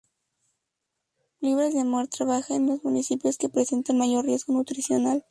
Libras de Amor trabaja en los municipios que presentan mayor riesgo nutricional.